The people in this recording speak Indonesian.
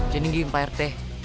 jadi ini pak rt